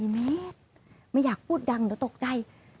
๔เมตรไม่อยากพูดดังเดี๋ยวตกใจ